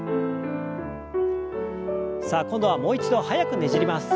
さあ今度はもう一度速くねじります。